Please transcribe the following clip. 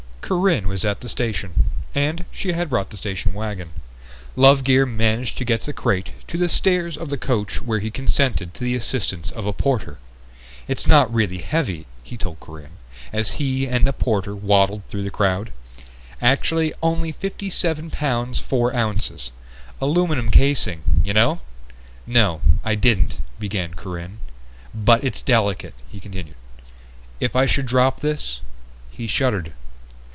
Corinne was at the station, and she had brought the station wagon. Lovegear managed to get the crate to the stairs of the coach where he consented to the assistance of a porter. "It's not really heavy," he told Corinne as he and the porter waddled through the crowd. "Actually only 57 pounds, four ounces. Aluminum casing, you know ..." "No, I didn't ..." began Corinne. "But it's delicate," he continued. "If I should drop this ..." He shuddered.